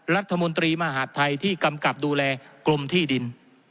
รัฐมนตรีมหาดไทยที่กำกับดูแลกรมที่ดิน